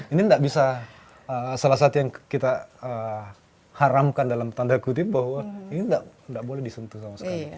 ini tidak bisa salah satu yang kita haramkan dalam tanda kutip bahwa ini tidak boleh disentuh sama sekali